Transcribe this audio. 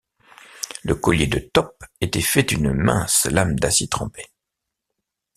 Le collier de Top était fait d’une mince lame d’acier trempé